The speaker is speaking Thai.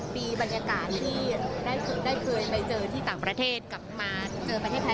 มีบรรยากาศที่ได้เคยไปเจอที่ต่างประเทศกลับมาเจอประเทศไทย